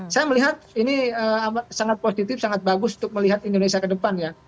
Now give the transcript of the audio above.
saya melihat ini sangat positif sangat bagus untuk melihat indonesia ke depan ya